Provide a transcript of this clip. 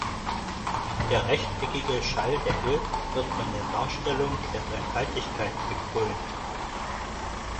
Der rechteckige Schalldeckel wird von der Darstellung der Dreifaltigkeit bekrönt.